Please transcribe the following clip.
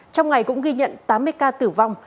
trong ngày cũng ghi nhận tám mươi ca tử vong